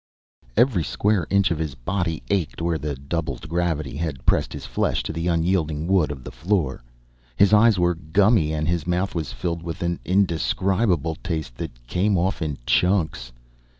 Every square inch of his body ached where the doubled gravity had pressed his flesh to the unyielding wood of the floor. His eyes were gummy and his mouth was filled with an indescribable taste that came off in chunks.